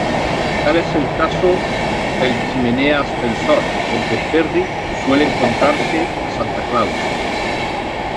Tal es el caso del chimenea ascensor, donde Perry suele encontrarse a Santa Claus.